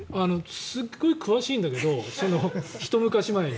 すごい詳しいんだけどひと昔前の。